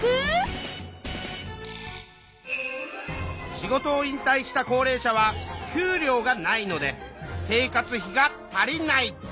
仕事を引退した高齢者は給料がないので生活費が足りない。